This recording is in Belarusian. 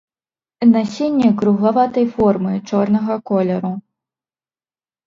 Насенне круглаватай формы, чорнага колеру.